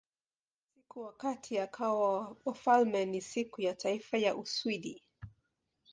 Basi, siku wakati akawa wafalme ni Siku ya Taifa ya Uswidi.